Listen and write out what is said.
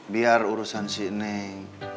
biar urusan si neng